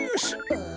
ああ。